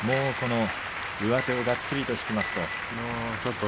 上手をがっちり引きました。